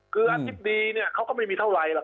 คืออาทิตย์ดีเนี่ยเขาก็ไม่มีเท่าไรละ